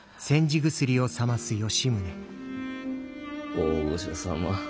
大御所様